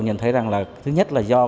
nhận thấy rằng là thứ nhất là do